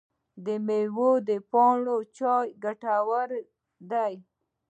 د میوو د پاڼو چای ګټور دی؟